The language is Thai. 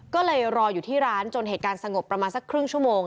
ก็เลยรออยู่ที่ร้านจนเหตุการณ์สงบประมาณสักครึ่งชั่วโมง